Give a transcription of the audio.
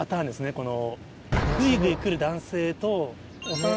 この。